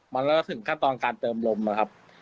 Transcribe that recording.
มันก็ต้องถึงขั้นตอนการเติมลมนะครับ